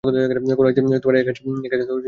কোনো একদিন এ গাছ কেটেই ফেলবে।